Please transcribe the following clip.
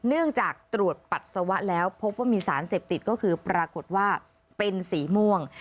เนื่องจากตรวจปัสสาวะแล้วพบว่ามีสารเสพติดก็คือปรากฏว่าเป็นสีม่วง